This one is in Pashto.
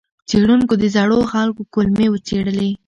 څېړونکو د زړو خلکو کولمې وڅېړلې.